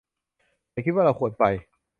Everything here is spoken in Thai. ฉันคิดว่าเราควรไป